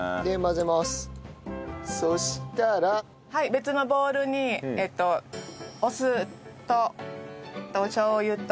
別のボウルにお酢とおしょう油と。